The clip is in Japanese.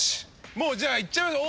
もういっちゃいましょう。